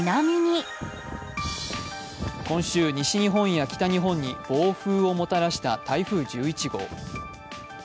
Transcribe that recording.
今週、西日本や北日本に暴風をもたらした台風１１号。